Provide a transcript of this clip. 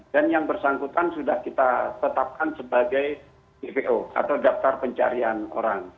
dan yang bersangkutan sudah kita tetapkan sebagai pvo atau daftar pencarian orang